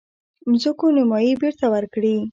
مځکو نیمايي بیرته ورکړي.